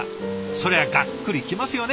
そりゃがっくり来ますよね。